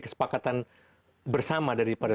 kesepakatan bersama daripada